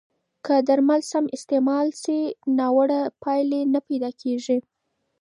که درمل سم استعمال شي، ناوړه پایلې نه پیدا کېږي.